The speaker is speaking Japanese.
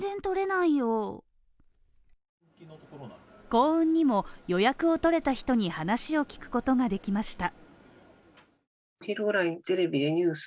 幸運にも予約を取れた人に話を聞くことができました。